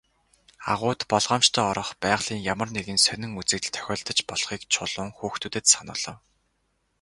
Агуйд болгоомжтой орох, байгалийн ямар нэгэн сонин үзэгдэл тохиолдож болохыг Чулуун хүүхдүүдэд сануулав.